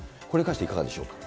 これに関していかがでしょう。